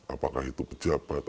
apakah itu pejabat